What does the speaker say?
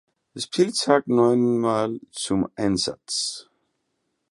Spieltag neunmal zum Einsatz.